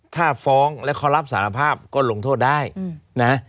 ถ้าฟ้องแล้วเขารับสารภาพก็ลงโทษได้นะ